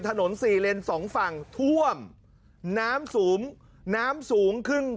ถนนสี่เลนสองฝั่งท่วมน้ำสูงน้ำสูงครึ่ง